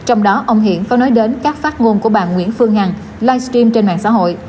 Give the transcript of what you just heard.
ông hiển có nói đến các phát ngôn của bà nguyễn phương hằng live stream trên mạng xã hội